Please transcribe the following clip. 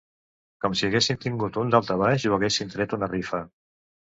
Com si haguessin tingut un daltabaix o haguessin tret una rifa.